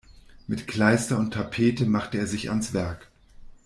Mit Kleister und Tapete machte er sich ans Werk.